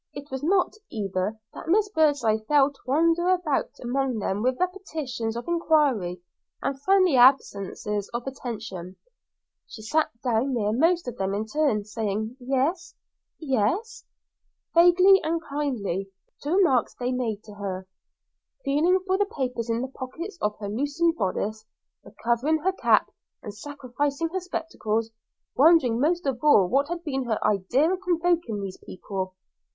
It was not, either, that Miss Birdseye failed to wander about among them with repetitions of inquiry and friendly absences of attention; she sat down near most of them in turn, saying "Yes, yes," vaguely and kindly, to remarks they made to her, feeling for the papers in the pockets of her loosened bodice, recovering her cap and sacrificing her spectacles, wondering most of all what had been her idea in convoking these people.